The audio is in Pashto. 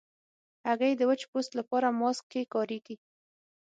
هګۍ د وچ پوست لپاره ماسک کې کارېږي.